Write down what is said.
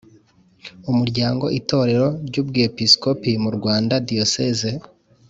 Umuryango Itorero ry Ubwepiskopi mu Rwanda Diyoseze